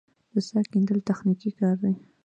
د څاه کیندل تخنیکي کار دی